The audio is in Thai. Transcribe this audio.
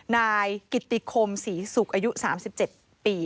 นายกิติคมศรีศุกร์อายุ๓๗ปี